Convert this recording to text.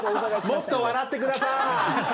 もっと笑って下さい。